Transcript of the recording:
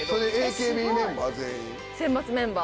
選抜メンバー。